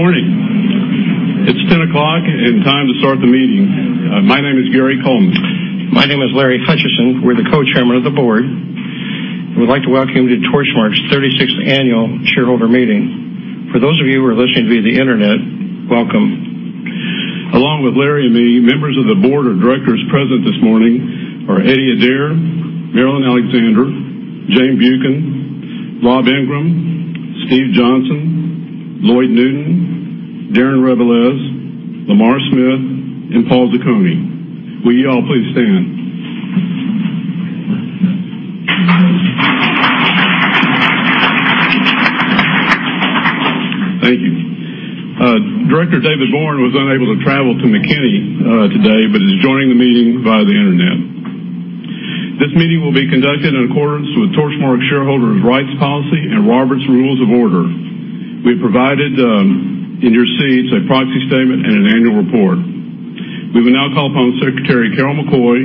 Good morning. It's 10:00 A.M. and time to start the meeting. My name is Gary Coleman. My name is Larry Hutchison. We're the co-chairman of the board, and we'd like to welcome you to Torchmark's 36th annual shareholder meeting. For those of you who are listening via the internet, welcome. Along with Larry and me, members of the board of directors present this morning are Eddie Adair, Marilyn Alexander, Jane Buchan, Rob Ingram, Steve Johnson, Lloyd Newton, Darren Rebelez, Lamar Smith, and Paul Zucconi. Will you all please stand? Thank you. Director David Boren was unable to travel to McKinney today but is joining the meeting via the internet. This meeting will be conducted in accordance with Torchmark Shareholder Rights Policy and Robert's Rules of Order. We have provided, in your seats, a proxy statement and an annual report. We will now call upon Secretary Carol McCoy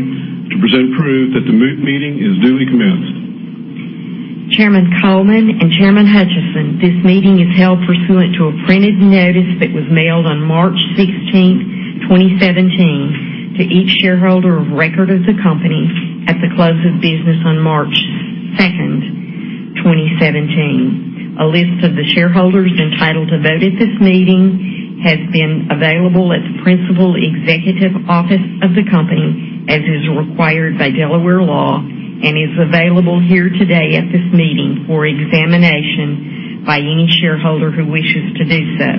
to present proof that the meeting is duly commenced. Chairman Coleman and Chairman Hutchison, this meeting is held pursuant to a printed notice that was mailed on March 16th, 2017, to each shareholder of record of the company at the close of business on March 2nd, 2017. A list of the shareholders entitled to vote at this meeting has been available at the principal executive office of the company, as is required by Delaware law, and is available here today at this meeting for examination by any shareholder who wishes to do so.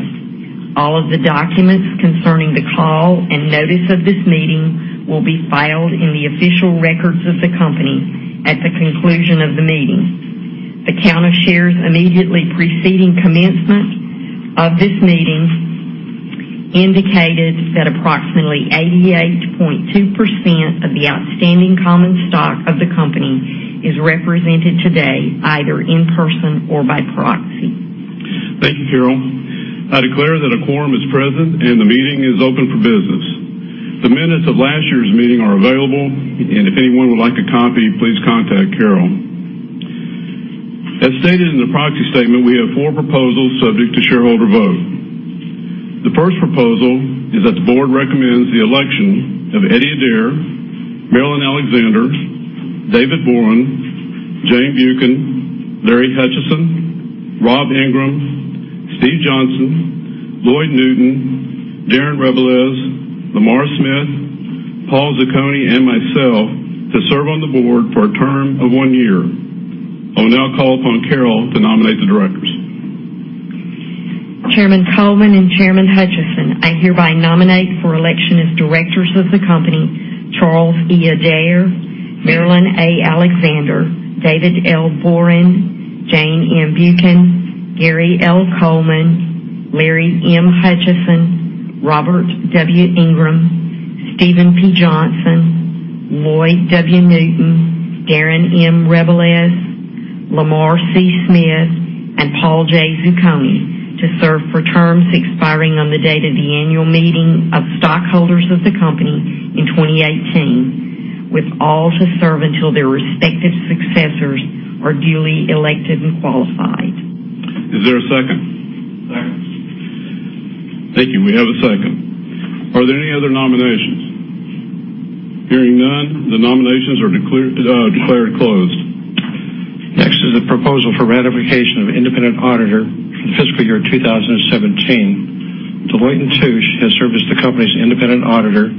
All of the documents concerning the call and notice of this meeting will be filed in the official records of the company at the conclusion of the meeting. The count of shares immediately preceding commencement of this meeting indicated that approximately 88.2% of the outstanding common stock of the company is represented today, either in person or by proxy. Thank you, Carol. I declare that a quorum is present. The meeting is open for business. The minutes of last year's meeting are available. If anyone would like a copy, please contact Carol. As stated in the proxy statement, we have four proposals subject to shareholder vote. The first proposal is that the board recommends the election of Eddie Adair, Marilyn Alexander, David Boren, Jane Buchan, Larry Hutchison, Rob Ingram, Steve Johnson, Lloyd Newton, Darren Rebelez, Lamar Smith, Paul Zucconi, and myself to serve on the board for a term of one year. I will now call upon Carol to nominate the directors. Chairman Coleman and Chairman Hutchison, I hereby nominate for election as directors of the company, Charles E. Adair, Marilyn A. Alexander, David L. Boren, Jane M. Buchan, Gary L. Coleman, Larry M. Hutchison, Robert W. Ingram, Steven P. Johnson, Lloyd W. Newton, Darren M. Rebelez, Lamar C. Smith, and Paul J. Zucconi to serve for terms expiring on the date of the annual meeting of stockholders of the company in 2018, with all to serve until their respective successors are duly elected and qualified. Is there a second? Second. Thank you. We have a second. Are there any other nominations? Hearing none, the nominations are declared closed. Next is a proposal for ratification of independent auditor for the fiscal year 2017. Deloitte & Touche has served as the company's independent auditor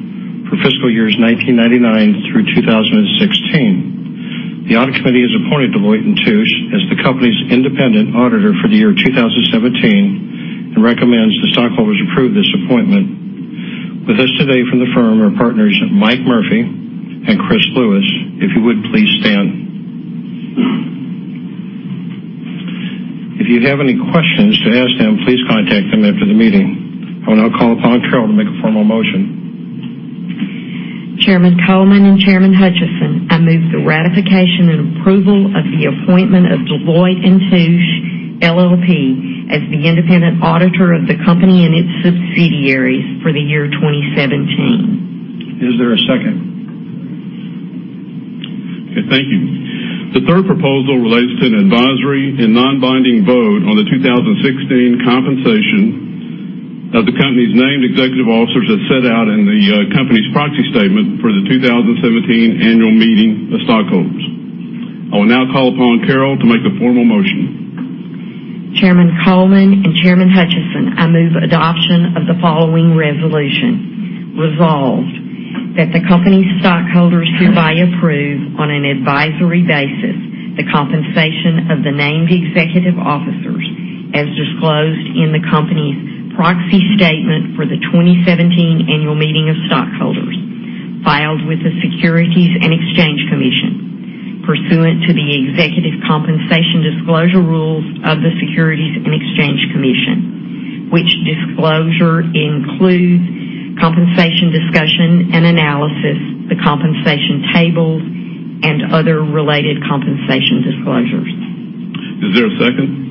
for fiscal years 1999 through 2016. The audit committee has appointed Deloitte & Touche as the company's independent auditor for the year 2017 and recommends the stockholders approve this appointment. With us today from the firm are partners Mike Murphy and Chris Lewis. If you would, please stand. If you have any questions to ask them, please contact them after the meeting. I will now call upon Carol to make a formal motion. Chairman Coleman and Chairman Hutchison, I move the ratification and approval of the appointment of Deloitte & Touche LLP, as the independent auditor of the company and its subsidiaries for the year 2017. Is there a second? Okay. Thank you. The third proposal relates to an advisory and non-binding vote on the 2016 compensation of the company's named executive officers as set out in the company's proxy statement for the 2017 annual meeting of stockholders. I will now call upon Carol to make a formal motion. Chairman Coleman and Chairman Hutchison, I move adoption of the following resolution. Resolved, that the company's stockholders hereby approve, on an advisory basis, the compensation of the named executive officers as disclosed in the company's proxy statement for the 2017 annual meeting of stockholders, filed with the Securities and Exchange Commission pursuant to the executive compensation disclosure rules of the Securities and Exchange Commission, which disclosure includes compensation discussion and analysis, the compensation tables, and other related compensation disclosures. Is there a second? Second.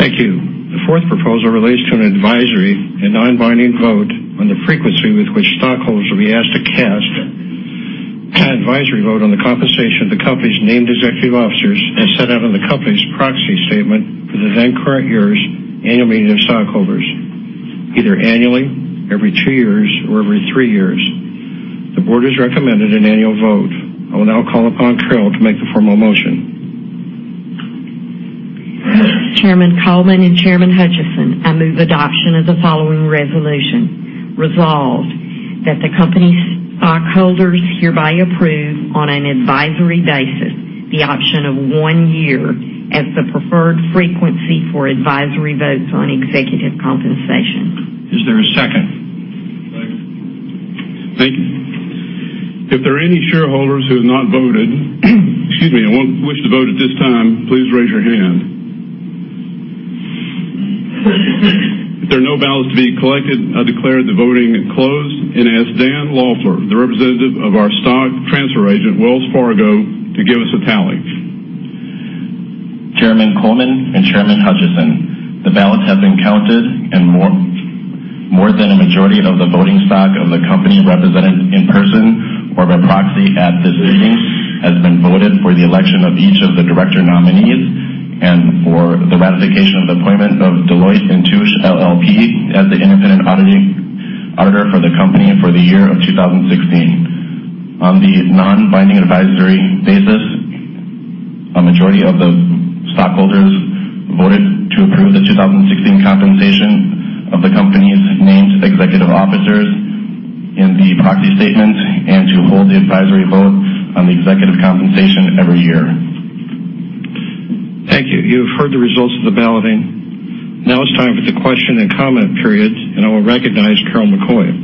Thank you. The fourth proposal relates to an advisory and non-binding vote on the frequency with which stockholders will be asked to cast An advisory vote on the compensation of the company's named executive officers as set out in the company's proxy statement for the then current year's annual meeting of stockholders, either annually, every two years, or every three years. The board has recommended an annual vote. I will now call upon Carol to make the formal motion. Chairman Coleman and Chairman Hutchison, I move adoption of the following resolution. Resolved: That the company's stockholders hereby approve, on an advisory basis, the option of one year as the preferred frequency for advisory votes on executive compensation. Is there a second? Second. Thank you. If there are any shareholders who have not voted and won't wish to vote at this time, please raise your hand. If there are no ballots to be collected, I'll declare the voting closed and ask Dan Laufer, the representative of our stock transfer agent, Wells Fargo, to give us a tally. Chairman Coleman and Chairman Hutchison, the ballots have been counted, and more than a majority of the voting stock of the company represented in person or by proxy at this meeting has been voted for the election of each of the director nominees and for the ratification of the appointment of Deloitte & Touche LLP, as the independent auditor for the company for the year of 2016. On the non-binding advisory basis, a majority of the stockholders voted to approve the 2016 compensation of the company's named executive officers in the proxy statement and to hold the advisory vote on the executive compensation every year. Thank you. You have heard the results of the balloting. Now it's time for the question and comment periods, and I will recognize Carol McCoy.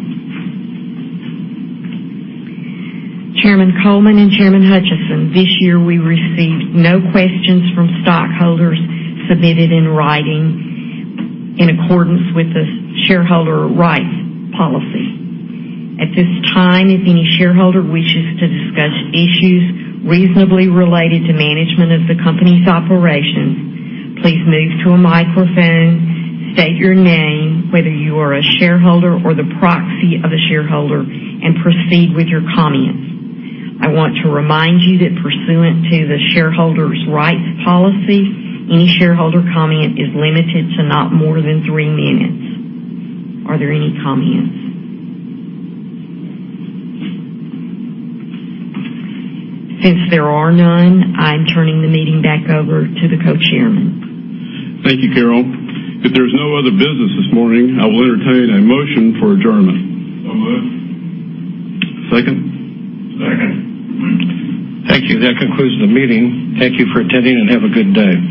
Chairman Coleman and Chairman Hutchison, this year we received no questions from stockholders submitted in writing in accordance with the Shareholder Rights Policy. At this time, if any shareholder wishes to discuss issues reasonably related to management of the company's operations, please move to a microphone, state your name, whether you are a shareholder or the proxy of a shareholder, and proceed with your comments. I want to remind you that pursuant to the Shareholder Rights Policy, any shareholder comment is limited to not more than three minutes. Are there any comments? Since there are none, I'm turning the meeting back over to the co-chairman. Thank you, Carol. If there's no other business this morning, I will entertain a motion for adjournment. Moved. Second? Second. Thank you. That concludes the meeting. Thank you for attending, and have a good day.